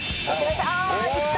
「あいった」